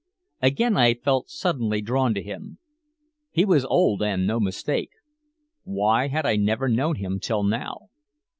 Again I felt suddenly drawn to him. He was old and no mistake. Why had I never known him till now?